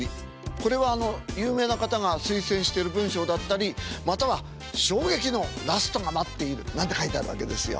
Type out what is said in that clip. これはあの有名な方が推薦してる文章だったりまたは「衝撃のラストが待っている」なんて書いてあるわけですよ。